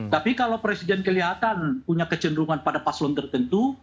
tapi kalau presiden kelihatan punya kecenderungan pada paslon tertentu